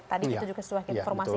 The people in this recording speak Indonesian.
tadi itu juga sudah kita informasikan